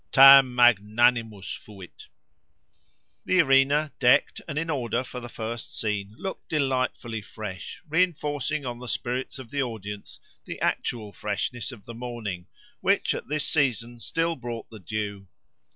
—Tam magnanimus fuit! The arena, decked and in order for the first scene, looked delightfully fresh, re inforcing on the spirits of the audience the actual freshness of the morning, which at this season still brought the dew.